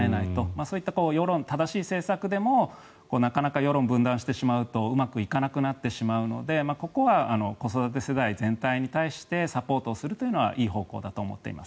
そういった正しい政策でもなかなか世論を分断してしまうとうまくいかなくなってしまうのでここは子育て世代全体に対してサポートするというのはいい方向だと思っています。